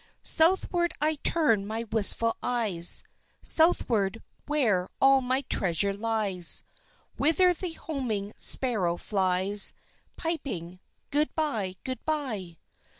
Southward I turn my wistful eyes, Southward, where all my treasure lies, Whither the homing sparrow flies, Piping, "Good bye, good bye!"